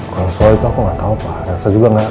kalau soal itu aku nggak tahu pak elsa juga nggak